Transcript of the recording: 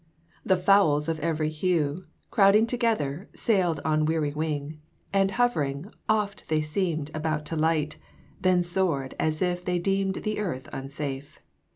The fowls of every hue, "Crowding together, sailed on weary wing, And hovering, oft they seemed about to light, Then soared as if they deemed the earth unsafe.